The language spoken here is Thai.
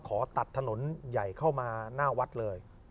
ขอตัดถนนใหญ่เข้ามาหน้าวัดเลย